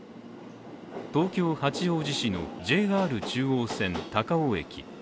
東京・八王子市のＪＲ中央線高尾駅。